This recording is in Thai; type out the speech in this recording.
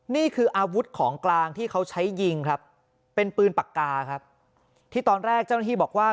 นี่คืออาวุธของกลางที่เขาใช้ยิงครับเป็นปืนปากกาครับที่ตอนแรกเจ้าหน้าที่บอกว่า